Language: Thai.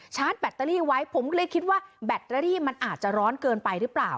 แบตเตอรี่ไว้ผมก็เลยคิดว่าแบตเตอรี่มันอาจจะร้อนเกินไปหรือเปล่า